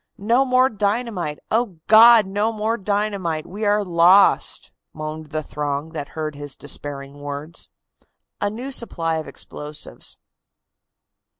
"No more dynamite! O God! no more dynamite! We are lost!" moaned the throng that heard his despairing words. A NEW SUPPLY OF EXPLOSIVES.